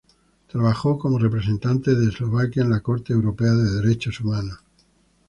Trabajó como representante de Eslovaquia en la Corte Europea de Derechos Humanos.